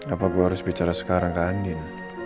apa gue harus bicara sekarang kak andin